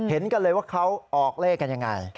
เห็นกันเลยว่าเขาออกเลขกันยังไง